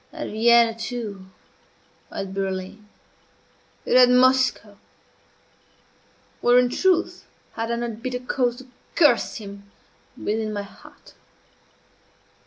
At Vienna, too at Berlin and at Moscow! Where, in truth, had I not bitter cause to curse him within my heart?